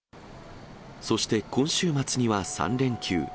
そして今週末には３連休。